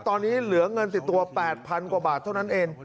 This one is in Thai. ตอนนี้เหลือเงินติดตัว๘๐๐๐กว่าบาทเท่านั้นเอง